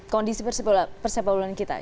kondisi persepuluhan kita